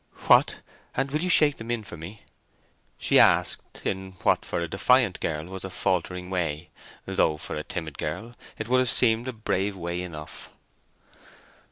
"What! and will you shake them in for me?" she asked, in what, for a defiant girl, was a faltering way; though, for a timid girl, it would have seemed a brave way enough.